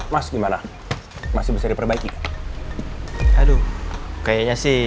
meskipun ia sudah dipanggil dengan patut